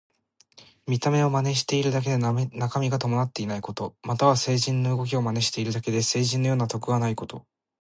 見た目を真似しているだけで中身が伴っていないこと。または、聖人の動きを真似しているだけで聖人のような徳はないこと。